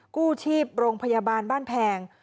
กู้ชีพโรงพยาบาลบ้านแพง